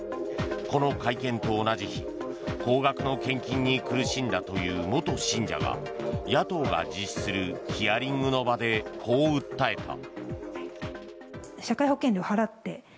この会見と同じ日高額の献金に苦しんだという元信者が野党が実施するヒアリングの場でこう訴えた。